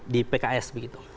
di pks begitu